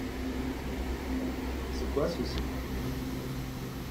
C'est quoi ceux-ci ?